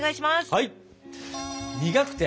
はい！